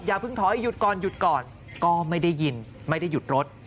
อย่าเพิ่งถอยหยุดก่อนหยุดก่อนก็ไม่ได้ยินไม่ได้หยุดรถ